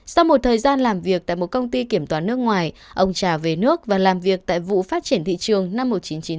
sau một thời gian làm việc tại một công ty kiểm toán nước ngoài ông trả về nước và làm việc tại vụ phát triển thị trường năm một nghìn chín trăm chín mươi